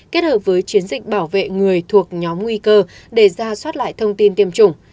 kết hợp với chiến dịch bảo vệ người thuộc nhóm nguy cơ để ra soát lại thông tin tiêm chủng